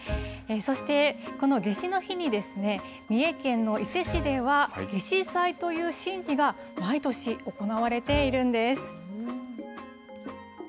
そして、この夏至の日に、三重県の伊勢市では、夏至祭という神事が毎年行われているんです。